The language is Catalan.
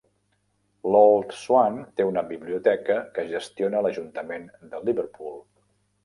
L'Old Swan té una biblioteca, que gestiona l'ajuntament de Liverpool.